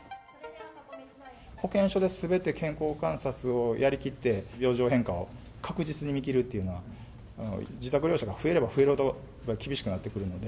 保健所ですべて健康観察をやりきって、病状変化を確実に見切るっていうのは、自宅療養者が増えれば増えるほど厳しくなってくるので。